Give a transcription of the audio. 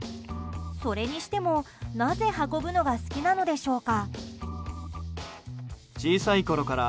それにしても、なぜ運ぶのが好きなのでしょうか？